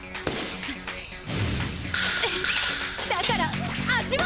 だから足は！